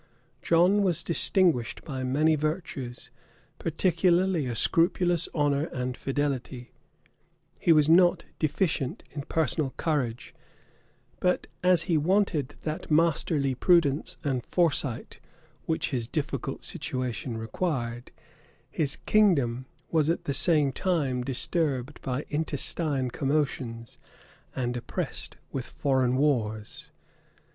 John was distinguished by many virtues, particularly a scrupulous honor and fidelity: he was not deficient in personal courage: but as he wanted that masterly prudence and foresight, which his difficult situation required his kingdom was at the same time disturbed by intestine commotions, and oppressed with foreign wars.